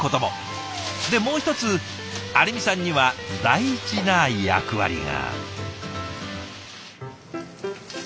でもう一つ有美さんには大事な役割が。